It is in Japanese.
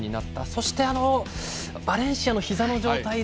そして、バレンシアのひざの状態